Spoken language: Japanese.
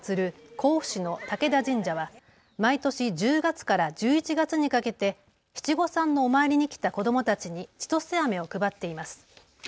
甲府市の武田神社は毎年１０月から１１月にかけて七五三のお参りに来た子どもたちにちとせあめを配っています。